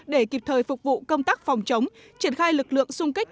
để kịp thời phục vụ công tác phòng chống triển khai lực lượng sung kích